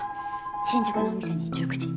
新宿のお店に１９時。